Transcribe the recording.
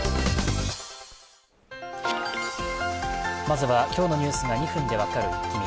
まずは今日のニュースが２分で分かるイッキ見。